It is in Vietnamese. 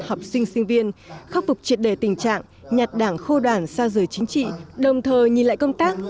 học sinh sinh viên khắc phục triệt đề tình trạng nhặt đảng khô đoàn xa rời chính trị đồng thời nhìn lại công tác